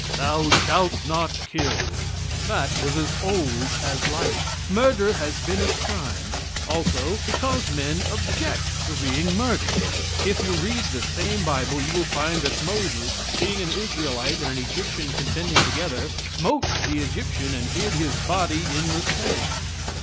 "Thou shalt not kill." That was as old as life. Murder has been a crime; also, because men object to being murdered. If you read the same bible you will find that Moses, seeing an Israelite and an Egyptian contending together, smote the Egyptian and hid his body in the sand.